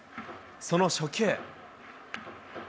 その初球。